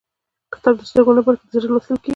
کتاب د سترګو نه، بلکې د زړه لوستل کېږي.